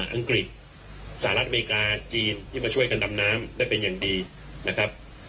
อังกฤษสหรัฐอเมริกาจีนที่มาช่วยกันดำน้ำได้เป็นอย่างดีนะครับ